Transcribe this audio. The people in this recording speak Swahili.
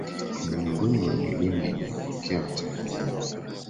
Ni miongoni mwa milima inayopokea watalii wengi